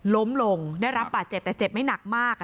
ล้มลงได้รับบาดเจ็บแต่เจ็บไม่หนักมาก